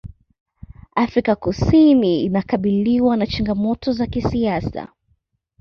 afrika kusini inakabiliwa na changamoto za kisiasa